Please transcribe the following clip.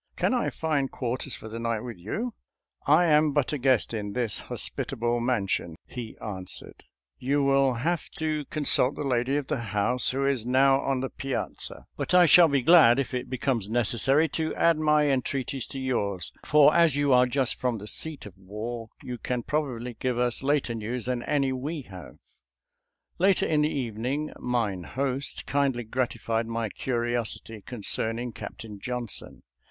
Can I find quarters for the night with you.? "" I am but a guest at this hospitable man sion," he answered. "You will have to con sult the lady of the house, who is now on the piazza; but I shall be glad, if it becomes neces sary, to add my entreaties to yours, for as you are just from the seat of war you can probably give us later news than any we have." *«•«• Later in the evening mine host kindly gratified my curiosity concerning Captain Johnson.